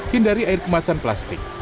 hindari air kemasan plastik